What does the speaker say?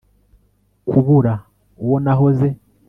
Kubura uwo nahoze